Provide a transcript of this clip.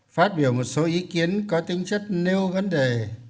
phát biểu một số ý kiến có tính chất nêu vấn đề